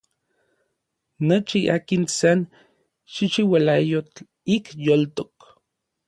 Nochi akin san chichiualayotl ik yoltok.